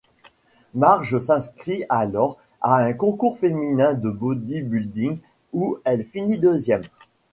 Marge s'inscrit alors à un concours féminin de body-building où elle finit deuxième.